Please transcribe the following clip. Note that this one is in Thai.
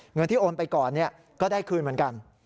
เงินที่โอนไปก่อนก็ได้คืนเหมือนกัน